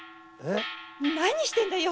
何してるんだよ